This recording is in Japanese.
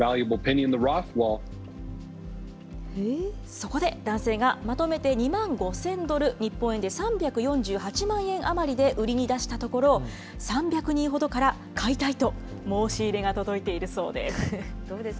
そこで男性がまとめて２万５０００ドル、日本円で３４８万円余りで売りに出したところ、３００人ほどから買いたいと申し入れが届いているそうです。